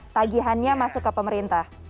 tagihannya masuk ke pemerintah